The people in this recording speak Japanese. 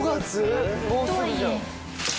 とはいえ。